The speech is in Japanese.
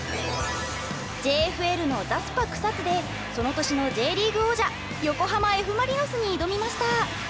ＪＦＬのザスパ草津でその年のＪリーグ王者横浜Ｆ・マリノスに挑みました。